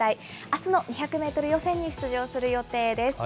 あすも２００メートル予選に出場する予定です。